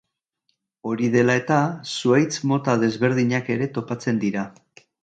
Hori dela eta zuhaitz mota desberdinak ere topatzen dira.